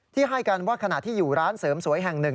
ให้กันว่าขณะที่อยู่ร้านเสริมสวยแห่งหนึ่ง